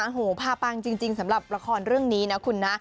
โหพาปังจริงสำหรับละครเรื่องนี้นะคุณนะ